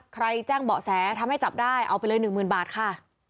ใครแจ้งเบาะแสทำให้จับได้เอาไปเลยหนึ่งหมื่นบาทค่ะ